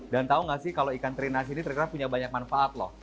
dan tahu nggak sih kalau ikan teri nasi ini terkira punya banyak manfaat loh